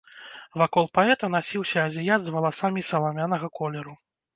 Вакол паэта насіўся азіят з валасамі саламянага колеру.